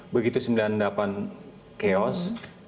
begitu sembilan puluh delapan chaos